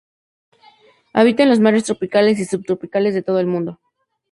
Habita en los mares tropicales y subtropicales de todo el mundo.